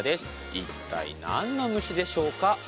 一体何の虫でしょうか。